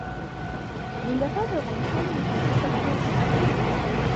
ننګرهار د افغانستان د ښاري پراختیا سبب کېږي.